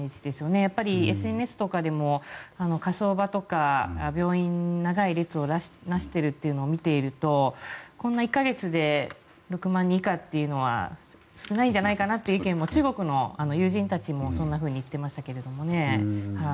やっぱりＳＮＳとかでも火葬場とか病院に長い列を成しているというのを見ているとこんな１か月で６万人以下っていうのは少ないんじゃないかなという意見も中国の友人たちも、そんなふうに言ってましたけどね。